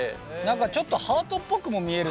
ちょっとハートっぽくも見える。